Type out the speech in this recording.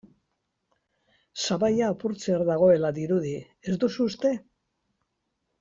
Sabaia apurtzear dagoela dirudi, ez duzu uste?